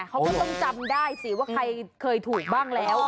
เขาก็ต้องจำได้สิว่าใครเคยถูกบ้างแล้ว